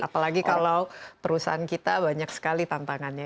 apalagi kalau perusahaan kita banyak sekali tantangannya